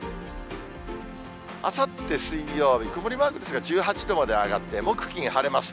あさって水曜日、曇りマークですが、１８度まで上がって、木、金、晴れます。